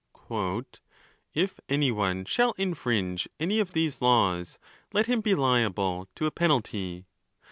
. "If any one shall infringe any of these laws, let him be liable to a penalty.